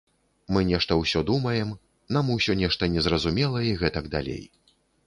Мы нешта ўсё думаем, нам усё нешта незразумела і гэтак далей.